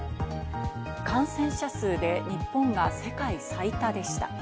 感染者数で日本が世界最多でした。